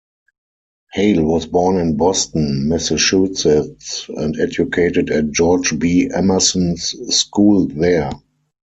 Hale was born in Boston, Massachusetts, and educated at George B. Emerson's school there.